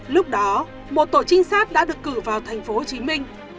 lúc đó một tổ trinh sát đã được cử vào thành phố hồ chí minh